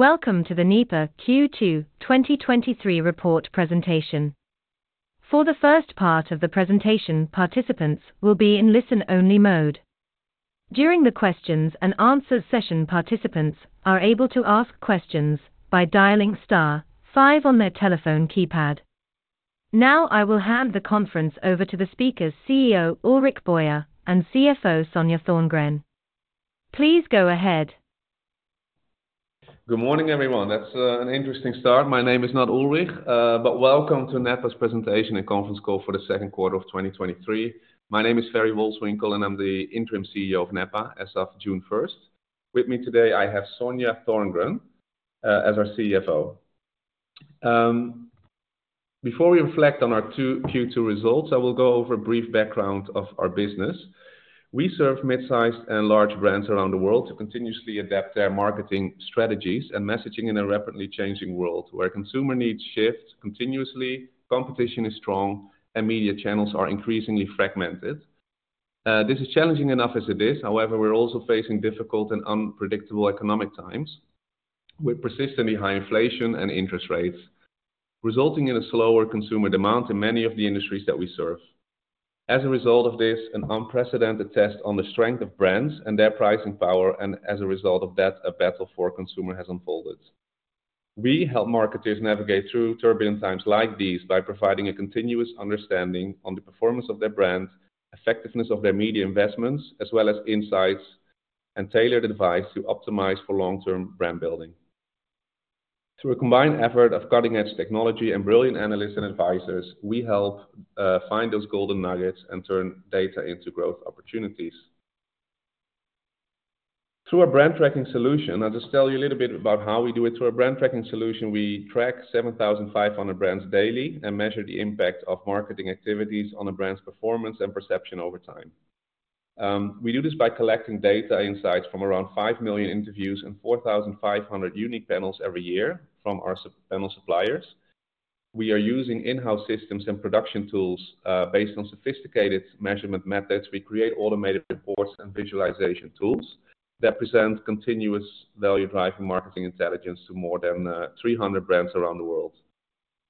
Welcome to the Nepa Q2 2023 Report Presentation. For the first part of the presentation, participants will be in listen-only mode. During the questions and answers session, participants are able to ask questions by dialing star five on their telephone keypad. I will hand the conference over to the speakers, CEO Ulrich Boyer and CFO Sonja Thorngren. Please go ahead. Good morning, everyone. That's an interesting start. My name is not Ulrich, but welcome to Nepa's presentation and conference call for the second quarter of 2023. My name is Ferry Wolswinkel, and I'm the interim CEO of Nepa as of June 1st. With me today, I have Sonja Thorngren, as our CFO. Before we reflect on our Q2 results, I will go over a brief background of our business. We serve mid-sized and large brands around the world to continuously adapt their marketing strategies and messaging in a rapidly changing world, where consumer needs shift continuously, competition is strong, and media channels are increasingly fragmented. This is challenging enough as it is. However, we're also facing difficult and unpredictable economic times, with persistently high inflation and interest rates, resulting in a slower consumer demand in many of the industries that we serve. As a result of this, an unprecedented test on the strength of brands and their pricing power, and as a result of that, a battle for consumer has unfolded. We help marketers navigate through turbulent times like these by providing a continuous understanding on the performance of their brand, effectiveness of their media investments, as well as insights and tailored advice to optimize for long-term brand building. Through a combined effort of cutting-edge technology and brilliant analysts and advisors, we help find those golden nuggets and turn data into growth opportunities. Through our brand tracking solution, I'll just tell you a little bit about how we do it. Through our brand tracking solution, we track 7,500 brands daily and measure the impact of marketing activities on a brand's performance and perception over time. We do this by collecting data insights from around 5 million interviews and 4,500 unique panels every year from our panel suppliers. We are using in-house systems and production tools, based on sophisticated measurement methods. We create automated reports and visualization tools that present continuous value-driving marketing intelligence to more than 300 brands around the world.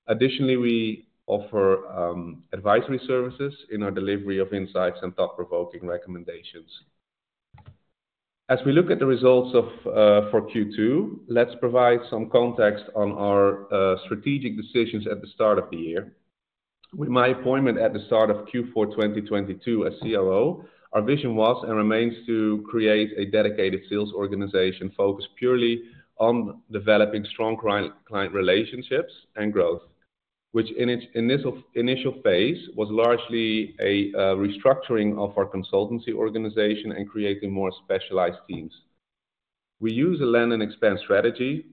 Additionally, we offer advisory services in our delivery of insights and thought-provoking recommendations. As we look at the results for Q2, let's provide some context on our strategic decisions at the start of the year. With my appointment at the start of Q4 2022 as COO, our vision was and remains to create a dedicated sales organization focused purely on developing strong client, client relationships and growth. Which in its initial, initial phase, was largely a restructuring of our consultancy organization and creating more specialized teams. We use a land and expand strategy,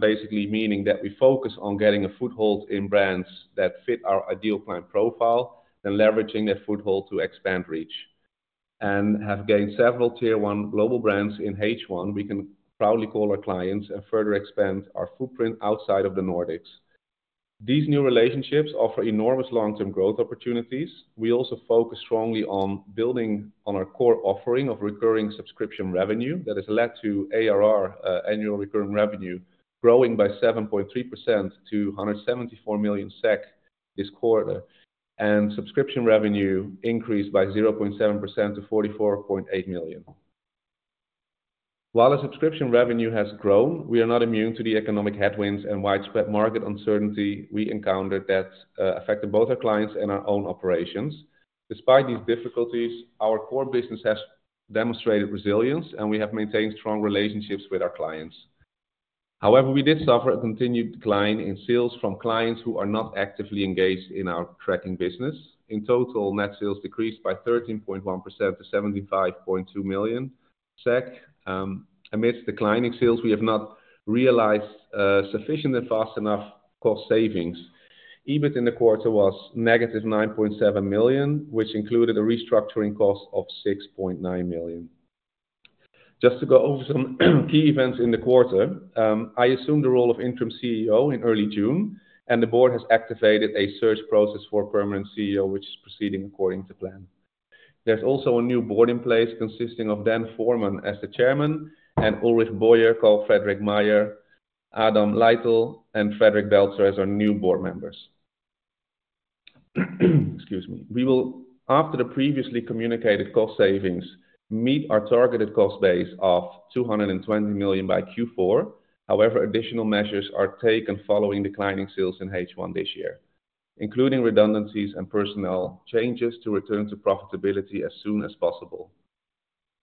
basically meaning that we focus on getting a foothold in brands that fit our ideal client profile and leveraging that foothold to expand reach, and have gained several tier one global brands in H1 we can proudly call our clients and further expand our footprint outside of the Nordics. These new relationships offer enormous long-term growth opportunities. We also focus strongly on building on our core offering of recurring subscription revenue that has led to ARR, annual recurring revenue, growing by 7.3% to 174 million SEK this quarter, and subscription revenue increased by 0.7% to 44.8 million. While the subscription revenue has grown, we are not immune to the economic headwinds and widespread market uncertainty we encountered that affected both our clients and our own operations. Despite these difficulties, our core business has demonstrated resilience, and we have maintained strong relationships with our clients. However, we did suffer a continued decline in sales from clients who are not actively engaged in our tracking business. In total, net sales decreased by 13.1% to 75.2 million SEK. Amidst declining sales, we have not realized sufficient and fast enough cost savings. EBIT in the quarter was negative 9.7 million SEK, which included a restructuring cost of 6.9 million SEK. Just to go over some key events in the quarter. I assumed the role of interim CEO in early June, and the board has activated a search process for a permanent CEO, which is proceeding according to plan. There's also a new board in place, consisting of Dan Foreman as the chairman, and Ulrich Boyer, Carl-Fredrik Meijer, Adam Lytle, and Fredrik Beltzér as our new board members. Excuse me. We will, after the previously communicated cost savings, meet our targeted cost base of 220 million by Q4. However, additional measures are taken following declining sales in H1 this year, including redundancies and personnel changes to return to profitability as soon as possible.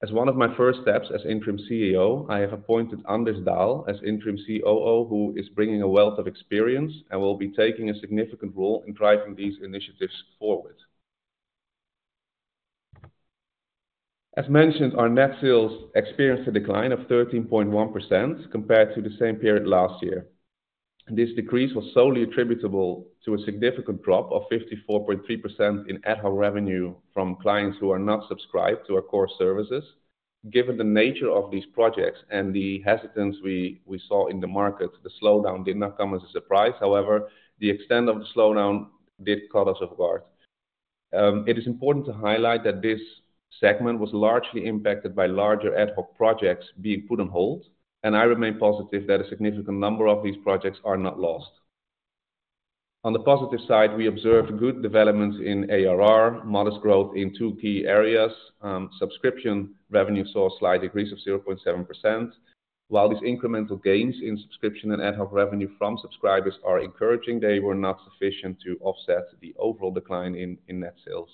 As one of my first steps as interim CEO, I have appointed Anders Dahl as interim COO, who is bringing a wealth of experience and will be taking a significant role in driving these initiatives forward. As mentioned, our net sales experienced a decline of 13.1% compared to the same period last year. This decrease was solely attributable to a significant drop of 54.3% in ad hoc revenue from clients who are not subscribed to our core services. Given the nature of these projects and the hesitance we saw in the market, the slowdown did not come as a surprise. The extent of the slowdown did caught us off guard. It is important to highlight that this segment was largely impacted by larger ad hoc projects being put on hold, I remain positive that a significant number of these projects are not lost. On the positive side, we observed good developments in ARR, modest growth in two key areas. Subscription revenue saw a slight increase of 0.7%. While these incremental gains in subscription and ad hoc revenue from subscribers are encouraging, they were not sufficient to offset the overall decline in, in net sales.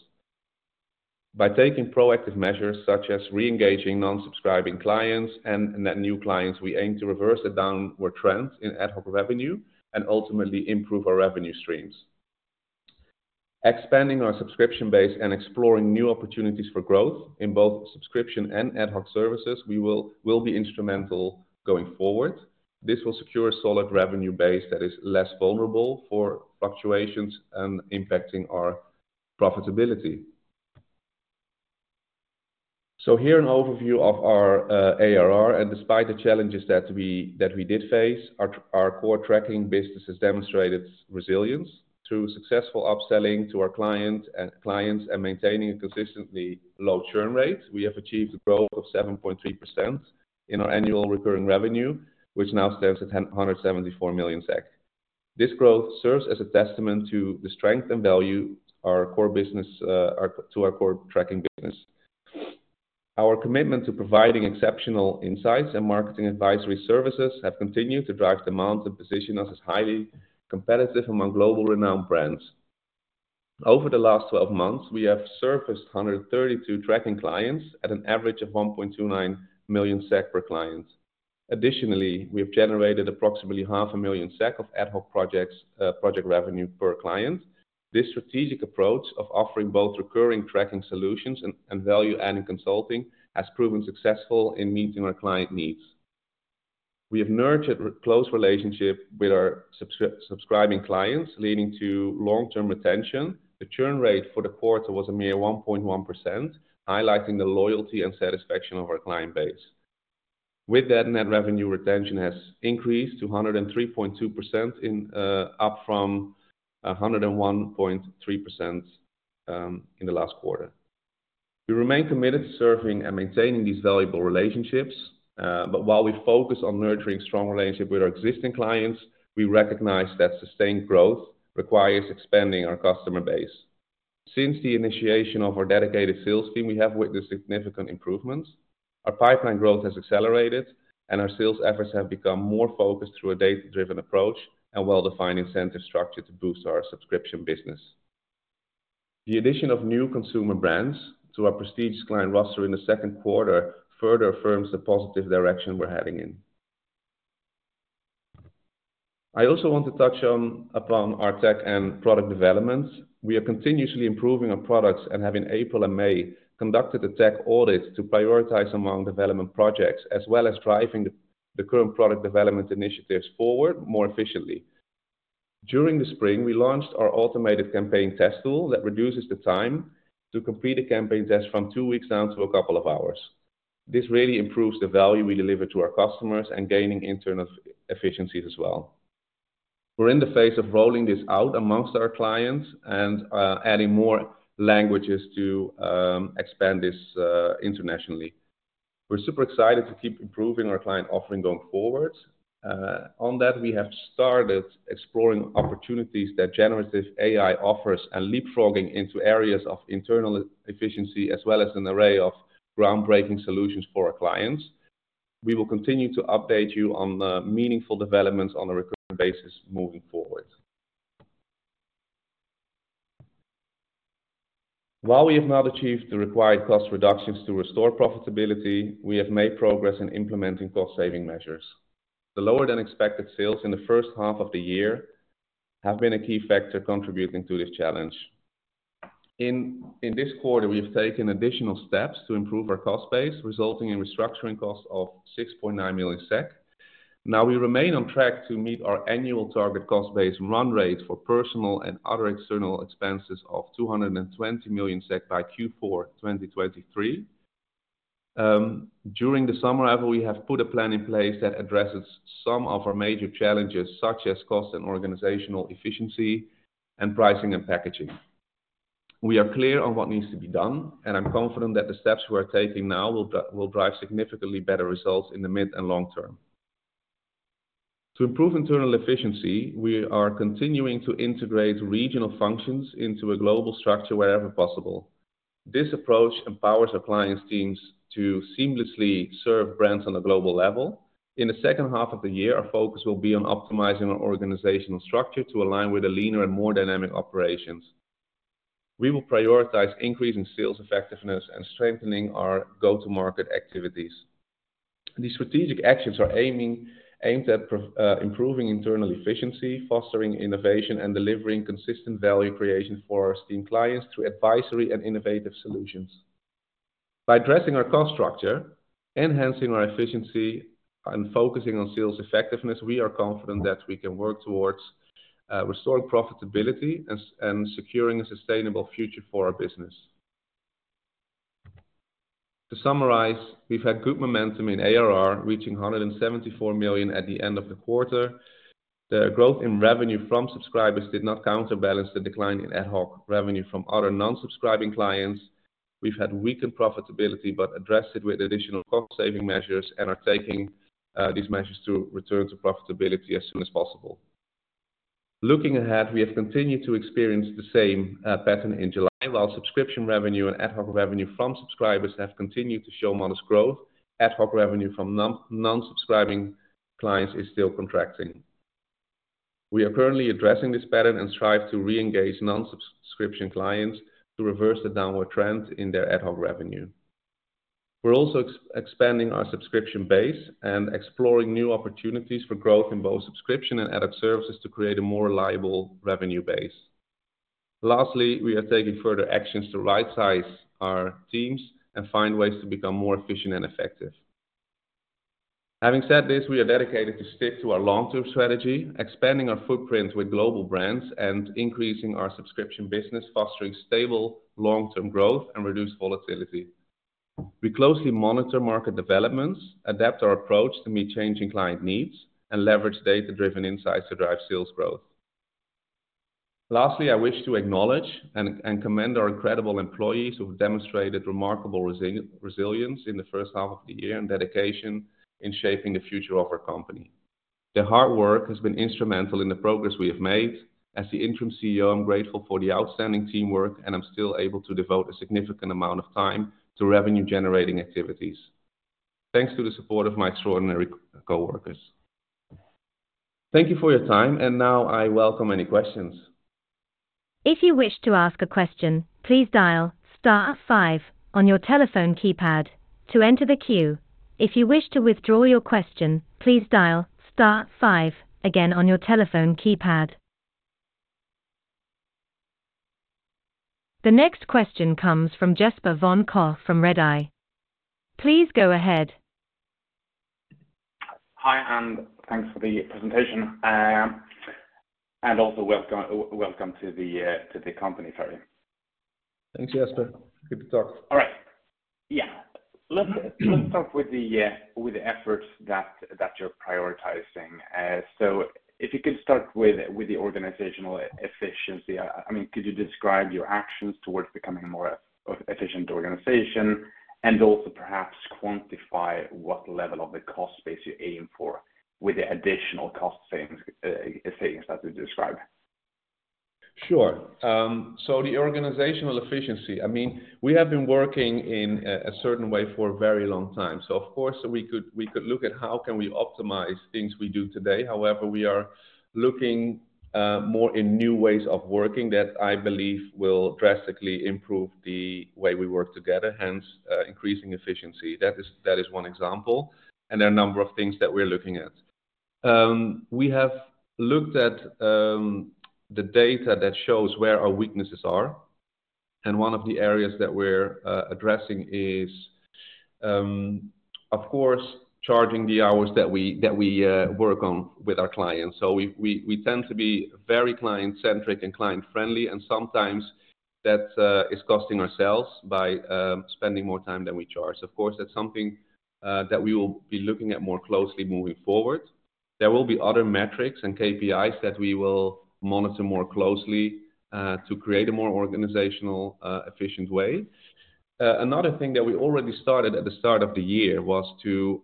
By taking proactive measures such as re-engaging non-subscribing clients and net new clients, we aim to reverse the downward trend in ad hoc revenue and ultimately improve our revenue streams. Expanding our subscription base and exploring new opportunities for growth in both subscription and ad hoc services, we will, will be instrumental going forward. This will secure a solid revenue base that is less vulnerable for fluctuations and impacting our profitability. Here an overview of our ARR, and despite the challenges that we, that we did face, our, our core tracking business has demonstrated resilience through successful upselling to our client and clients, and maintaining a consistently low churn rate. We have achieved a growth of 7.3% in our annual recurring revenue, which now stands at 174 million SEK. This growth serves as a testament to the strength and value our core business, to our core tracking business. Our commitment to providing exceptional insights and marketing advisory services have continued to drive demand and position us as highly competitive among global renowned brands. Over the last 12 months, we have serviced 132 tracking clients at an average of 1.29 million SEK per client. Additionally, we have generated approximately 500,000 SEK of ad hoc projects, project revenue per client. This strategic approach of offering both recurring tracking solutions and value adding consulting, has proven successful in meeting our client needs. We have nurtured close relationship with our subscribing clients, leading to long-term retention. The churn rate for the quarter was a mere 1.1%, highlighting the loyalty and satisfaction of our client base. With that, net revenue retention has increased to 103.2% up from 101.3% in the last quarter. We remain committed to serving and maintaining these valuable relationships. While we focus on nurturing strong relationships with our existing clients, we recognize that sustained growth requires expanding our customer base. Since the initiation of our dedicated sales team, we have witnessed significant improvements. Our pipeline growth has accelerated, and our sales efforts have become more focused through a data-driven approach and well-defined incentive structure to boost our subscription business. The addition of new consumer brands to our prestige client roster in the second quarter, further affirms the positive direction we're heading in. I also want to touch on, upon our tech and product development. We are continuously improving our products and have in April and May, conducted a tech audit to prioritize among development projects, as well as driving the, the current product development initiatives forward more efficiently. During the spring, we launched our automated campaign test tool that reduces the time to complete a campaign test from two weeks down to a couple of hours. This really improves the value we deliver to our customers and gaining internal efficiencies as well. We're in the phase of rolling this out amongst our clients and adding more languages to expand this internationally. We're super excited to keep improving our client offering going forward. On that, we have started exploring opportunities that generative AI offers and leapfrogging into areas of internal efficiency, as well as an array of groundbreaking solutions for our clients. We will continue to update you on the meaningful developments on a recurring basis moving forward. While we have not achieved the required cost reductions to restore profitability, we have made progress in implementing cost-saving measures. The lower than expected sales in the first half of the year have been a key factor contributing to this challenge. In this quarter, we've taken additional steps to improve our cost base, resulting in restructuring costs of 6.9 million SEK. We remain on track to meet our annual target cost base run rate for personal and other external expenses of 220 million SEK by Q4 2023. During the summer however, we have put a plan in place that addresses some of our major challenges, such as cost and organizational efficiency and pricing and packaging. We are clear on what needs to be done, and I'm confident that the steps we are taking now will drive significantly better results in the mid and long term. To improve internal efficiency, we are continuing to integrate regional functions into a global structure wherever possible. This approach empowers our clients teams to seamlessly serve brands on a global level. In the second half of the year, our focus will be on optimizing our organizational structure to align with a leaner and more dynamic operations. We will prioritize increasing sales effectiveness and strengthening our go-to-market activities. These strategic actions aimed at improving internal efficiency, fostering innovation, and delivering consistent value creation for our esteemed clients through advisory and innovative solutions. By addressing our cost structure, enhancing our efficiency, and focusing on sales effectiveness, we are confident that we can work towards restoring profitability and securing a sustainable future for our business. To summarize, we've had good momentum in ARR, reaching 174 million at the end of the quarter. The growth in revenue from subscribers did not counterbalance the decline in ad hoc revenue from other non-subscribing clients. We've had weakened profitability, but addressed it with additional cost-saving measures and are taking these measures to return to profitability as soon as possible. Looking ahead, we have continued to experience the same pattern in July. While subscription revenue and ad hoc revenue from subscribers have continued to show modest growth, ad hoc revenue from non-subscribing clients is still contracting. We are currently addressing this pattern and strive to reengage non-subscription clients to reverse the downward trend in their ad hoc revenue. We're also expanding our subscription base and exploring new opportunities for growth in both subscription and ad hoc services to create a more reliable revenue base. Lastly, we are taking further actions to right-size our teams and find ways to become more efficient and effective. Having said this, we are dedicated to stick to our long-term strategy, expanding our footprint with global brands and increasing our subscription business, fostering stable, long-term growth and reduced volatility. We closely monitor market developments, adapt our approach to meet changing client needs, and leverage data-driven insights to drive sales growth. Lastly, I wish to acknowledge and commend our incredible employees who have demonstrated remarkable resilience in the first half of the year, and dedication in shaping the future of our company. Their hard work has been instrumental in the progress we have made. As the Interim CEO, I'm grateful for the outstanding teamwork, and I'm still able to devote a significant amount of time to revenue-generating activities. Thanks to the support of my extraordinary coworkers. Thank you for your time, and now I welcome any questions. If you wish to ask a question, please dial star five on your telephone keypad to enter the queue. If you wish to withdraw your question, please dial star five again on your telephone keypad. The next question comes from Jesper von Koch from Redeye. Please go ahead. Hi, and thanks for the presentation. Also welcome, welcome to the company, Ferry. Thanks, Jesper. Good to talk. All right. Yeah. Let's start with the efforts that, that you're prioritizing. If you could start with the organizational efficiency, I mean, could you describe your actions towards becoming a more efficient organization? Also perhaps quantify what level of the cost base you're aiming for with the additional cost savings that you described. Sure. The organizational efficiency, I mean, we have been working in a, a certain way for a very long time. Of course, we could, we could look at how can we optimize things we do today. However, we are looking more in new ways of working that I believe will drastically improve the way we work together, hence increasing efficiency. That is, that is one example, and there are a number of things that we're looking at. We have looked at the data that shows where our weaknesses are, and one of the areas that we're addressing is, of course, charging the hours that we, that we work on with our clients. We, we, we tend to be very client-centric and client-friendly, and sometimes that is costing ourselves by spending more time than we charge. Of course, that's something that we will be looking at more closely moving forward. There will be other metrics and KPIs that we will monitor more closely to create a more organizational efficient way. Another thing that we already started at the start of the year was to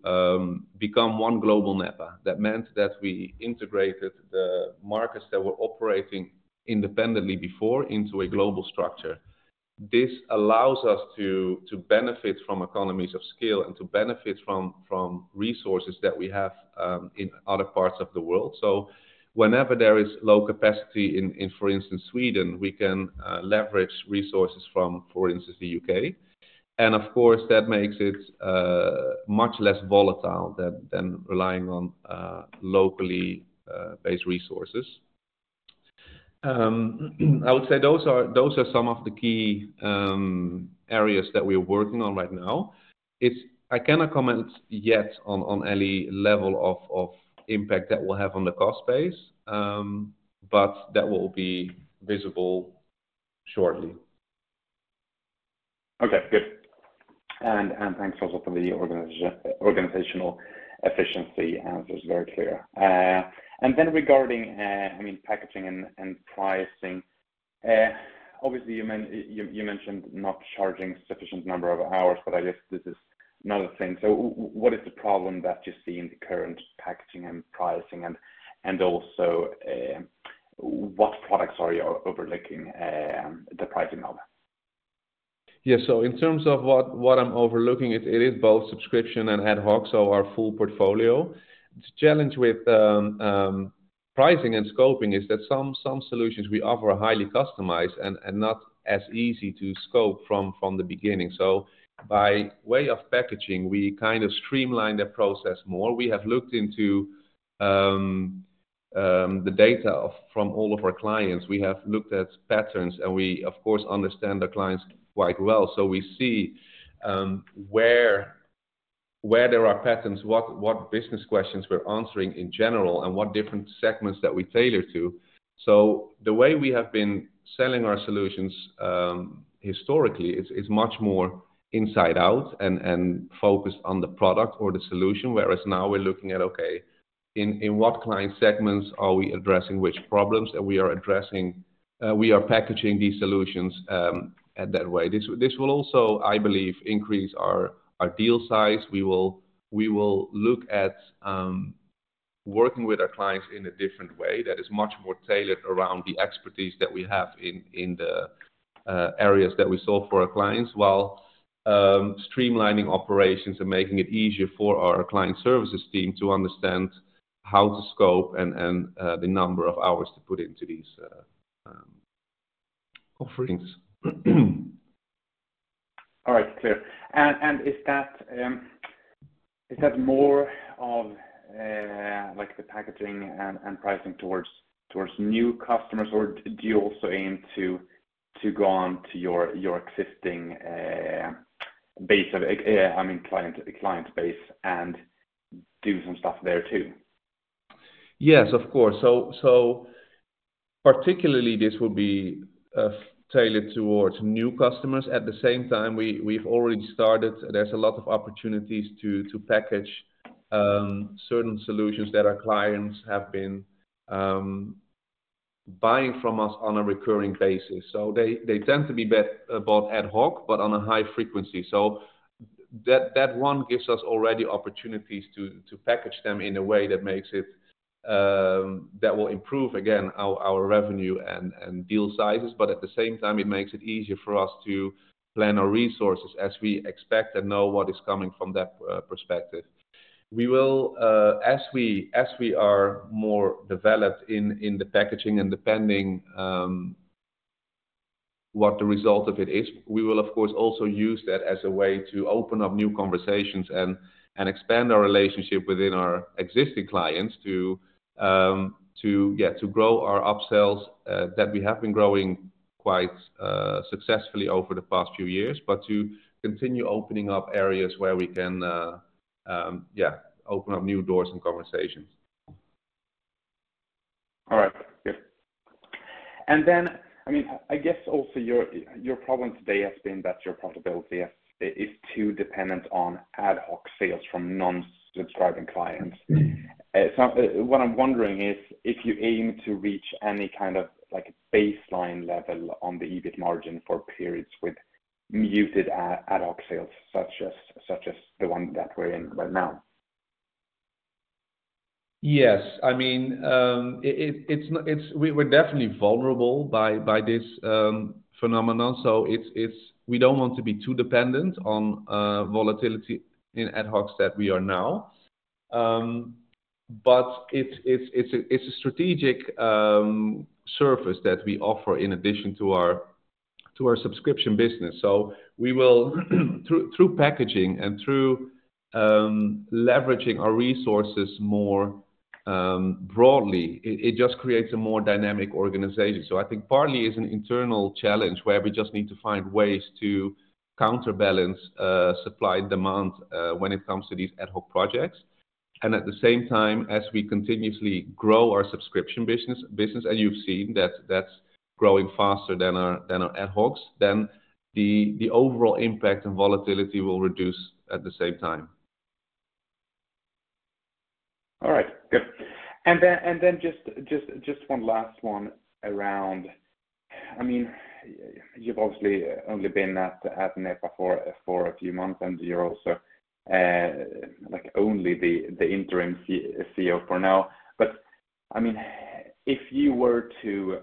become one global Nepa. That meant that we integrated the markets that were operating independently before into a global structure. This allows us to, to benefit from economies of scale and to benefit from, from resources that we have in other parts of the world. Whenever there is low capacity in, in, for instance, Sweden, we can leverage resources from, for instance, the UK. Of course, that makes it much less volatile than, than relying on locally based resources. I would say those are, those are some of the key areas that we're working on right now. I cannot comment yet on, on any level of, of impact that will have on the cost base, but that will be visible shortly. Okay, good. Thanks also for the organizational efficiency. It was very clear. Then regarding, I mean, packaging and pricing, obviously, you mentioned not charging sufficient number of hours, but I guess this is another thing. What is the problem that you see in the current packaging and pricing, and also, what products are you overlooking, the pricing of? Yeah. In terms of what, what I'm overlooking, it, it is both subscription and ad hoc, so our full portfolio. The challenge with pricing and scoping is that some, some solutions we offer are highly customized and, and not as easy to scope from, from the beginning. By way of packaging, we kind of streamline the process more. We have looked into the data from all of our clients. We have looked at patterns, and we, of course, understand the clients quite well. We see where there are patterns, what, what business questions we're answering in general, and what different segments that we tailor to. The way we have been selling our solutions historically is, is much more inside out and, and focused on the product or the solution. Whereas now we're looking at, okay, in, in what client segments are we addressing, which problems are we are addressing? We are packaging these solutions, at that way. This, this will also, I believe, increase our, our deal size. We will, we will look at, working with our clients in a different way that is much more tailored around the expertise that we have in, in the areas that we solve for our clients, while streamlining operations and making it easier for our client services team to understand how to scope and, and the number of hours to put into these offerings. All right, clear. And is that, is that more of, like the packaging and, and pricing towards, towards new customers, or do you also aim to, to go on to your, your existing, base of, I mean, client, client base and do some stuff there too? Yes, of course. Particularly, this will be tailored towards new customers. At the same time, we, we've already started-- there's a lot of opportunities to, to package certain solutions that our clients have been buying from us on a recurring basis. They, they tend to be bet, both ad hoc, but on a high frequency. That, that one gives us already opportunities to, to package them in a way that makes it that will improve, again, our, our revenue and, and deal sizes. At the same time, it makes it easier for us to plan our resources as we expect and know what is coming from that perspective. We will, as we, as we are more developed in, in the packaging and depending, what the result of it is, we will, of course, also use that as a way to open up new conversations and, and expand our relationship within our existing clients to, to, yeah, to grow our upsells, that we have been growing quite successfully over the past few years, but to continue opening up areas where we can, yeah, open up new doors and conversations. All right, good. I mean, I guess also your, your problem today has been that your profitability is, is too dependent on ad hoc sales from non-subscribing clients. Mm-hmm. What I'm wondering is, if you aim to reach any kind of, like, baseline level on the EBIT margin for periods with muted ad hoc sales, such as, such as the one that we're in right now? Yes. I mean, we're definitely vulnerable by, by this phenomenon. We don't want to be too dependent on volatility in ad hocs that we are now. It's a strategic service that we offer in addition to our, to our subscription business. We will, through, through packaging and through leveraging our resources more broadly, it just creates a more dynamic organization. I think partly is an internal challenge, where we just need to find ways to counterbalance supply and demand when it comes to these ad hoc projects. At the same time, as we continuously grow our subscription business, and you've seen that that's growing faster than our, than our ad hocs, then the, the overall impact and volatility will reduce at the same time. All right, good. Just one last one around... I mean, you've obviously only been at Nepa for a few months, and you're also, like, only the interim CEO for now. I mean, if you were to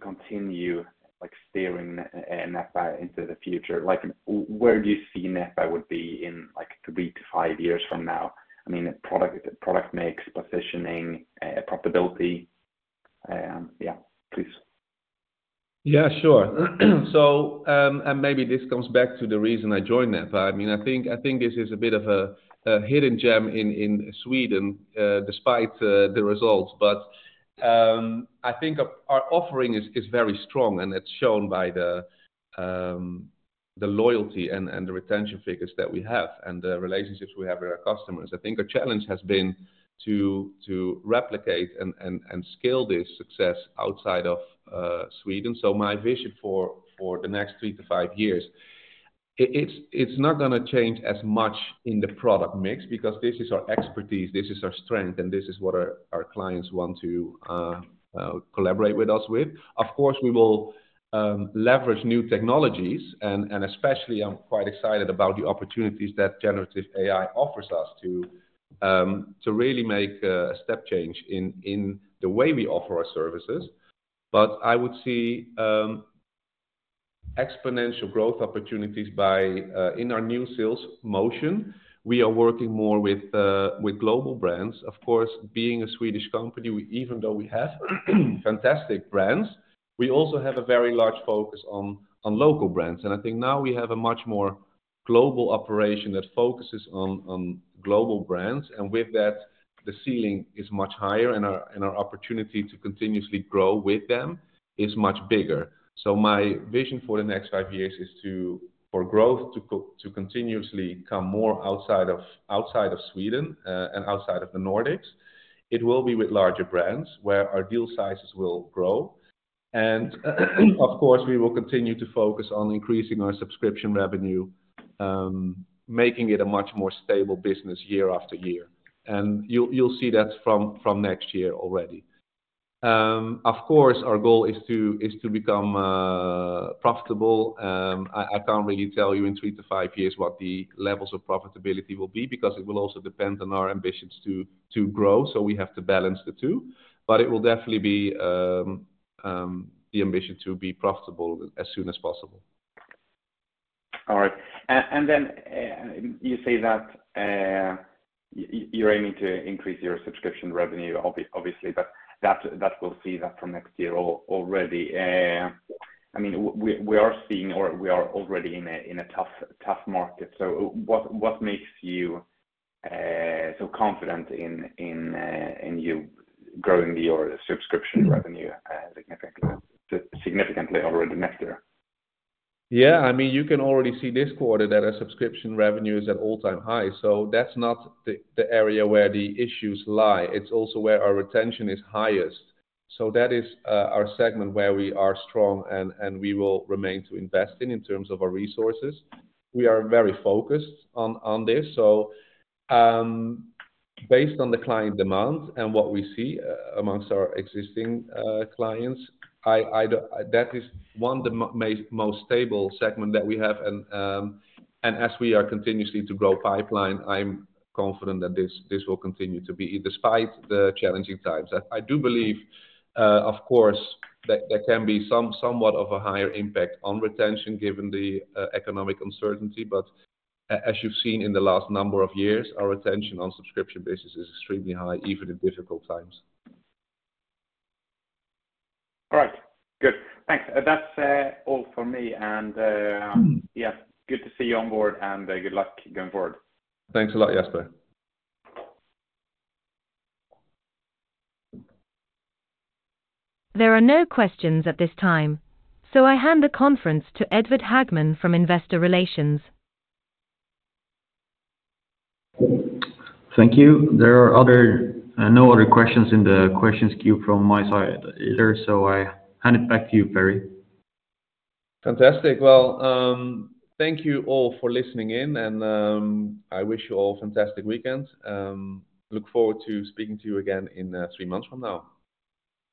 continue, like, steering Nepa into the future, like, where do you see Nepa would be in, like, three to five years from now? I mean, product, product mix, positioning, profitability. Yeah, please. Yeah, sure. Maybe this comes back to the reason I joined Nepa. I mean, I think, I think this is a bit of a hidden gem in Sweden, despite the results. I think our offering is very strong, and it's shown by the loyalty and the retention figures that we have, and the relationships we have with our customers. I think our challenge has been to replicate and scale this success outside of Sweden. My vision for the next three to five years, it's not gonna change as much in the product mix, because this is our expertise, this is our strength, and this is what our clients want to collaborate with us with. Of course, we will leverage new technologies, and especially I'm quite excited about the opportunities that generative AI offers us to really make a step change in the way we offer our services. I would see exponential growth opportunities. In our new sales motion, we are working more with global brands. Of course, being a Swedish company, we, even though we have fantastic brands, we also have a very large focus on local brands. I think now we have a much more global operation that focuses on global brands, and with that, the ceiling is much higher, and our opportunity to continuously grow with them is much bigger. My vision for the next five years is to, for growth, to go, to continuously come more outside of, outside of Sweden, and outside of the Nordics. It will be with larger brands where our deal sizes will grow. Of course, we will continue to focus on increasing our subscription revenue, making it a much more stable business year after year. You'll, you'll see that from, from next year already. Of course, our goal is to, is to become profitable. I, I can't really tell you in three to five years what the levels of profitability will be, because it will also depend on our ambitions to, to grow, so we have to balance the two. It will definitely be the ambition to be profitable as soon as possible. All right. You say that you're aiming to increase your subscription revenue, obviously, but that, that we'll see that from next year already. I mean, we, we are seeing or we are already in a, in a tough, tough market. What, what makes you so confident in, in you growing your subscription revenue significantly, significantly already next year? Yeah, I mean, you can already see this quarter that our subscription revenue is at all-time high. That's not the, the area where the issues lie. It's also where our retention is highest. That is our segment where we are strong and, and we will remain to invest in, in terms of our resources. We are very focused on, on this. Based on the client demand and what we see amongst our existing clients, that is one the most stable segment that we have, and as we are continuously to grow pipeline, I'm confident that this, this will continue to be, despite the challenging times. I, I do believe, of course, that there can be somewhat of a higher impact on retention, given the economic uncertainty. As you've seen in the last number of years, our retention on subscription basis is extremely high, even in difficult times. All right. Good. Thanks. That's all for me, and. Mm-hmm. Yeah, good to see you on board, and good luck going forward. Thanks a lot, Jesper. There are no questions at this time, so I hand the conference to Edvard Hagman from Investor Relations. Thank you. There are other, no other questions in the questions queue from my side either. I hand it back to you, Ferry. Fantastic. Well, thank you all for listening in, and I wish you all a fantastic weekend. Look forward to speaking to you again in three months from now.